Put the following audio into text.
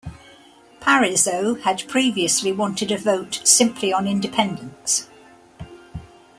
Parizeau had previously wanted a vote simply on independence.